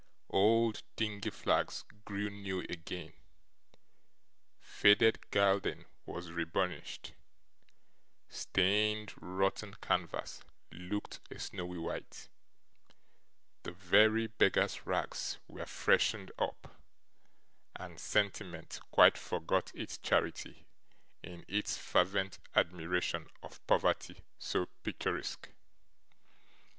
Old dingy flags grew new again, faded gilding was re burnished, stained rotten canvas looked a snowy white, the very beggars' rags were freshened up, and sentiment quite forgot its charity in its fervent admiration of poverty so picturesque.